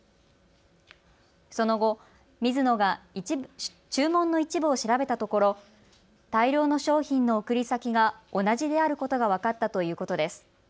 その後、ミズノが注文の一部を調べたところ大量の商品の送り先が同じであることが分かったということです。